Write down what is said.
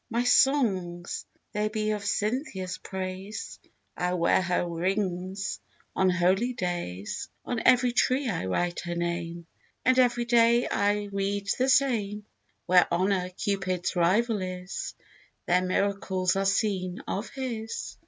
My songs, they be of Cynthia's praise: I wear her rings on holy days; On every tree I write her name, And every day I read the same: Where Honour Cupid's rival is, There miracles are seen of his.